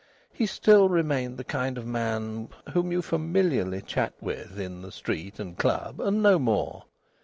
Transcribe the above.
He still remained the kind of man whom you familiarly chat with in the street and club, and no more.